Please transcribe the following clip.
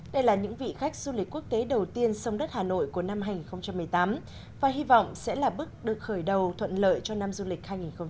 đây là những vị khách du lịch quốc tế đầu tiên sông đất hà nội của năm hai nghìn một mươi tám và hy vọng sẽ là bước được khởi đầu thuận lợi cho năm du lịch hai nghìn một mươi chín